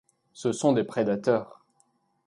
Ce sont des prédateurs.